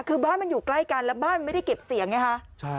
คือบ้านมันอยู่ใกล้กันแล้วบ้านไม่ได้เก็บเสียงไงคะ